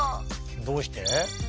どうして？